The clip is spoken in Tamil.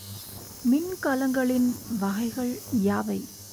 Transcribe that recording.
மின்கலங்களின் வகைகள் யாவை?